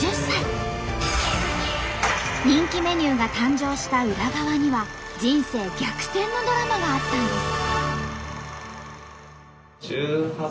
人気メニューが誕生した裏側には人生逆転のドラマがあったんです。